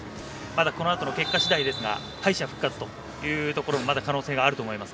この後の結果次第ですが敗者復活というところも可能性があると思います。